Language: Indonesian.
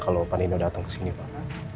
kalau pak nino datang ke sini pak